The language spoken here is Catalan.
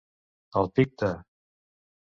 Al pic de.